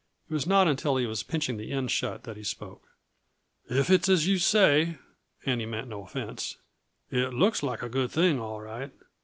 It was not until he was pinching the end shut that he spoke. "If it's as you say" and he meant no offense "it looks like a good thing, all right.